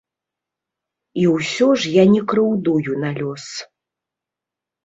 І ўсё ж я не крыўдую на лёс.